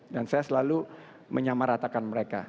dan saya selalu menyamaratakan mereka